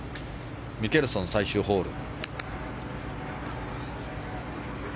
ミケルソン、最終ホール。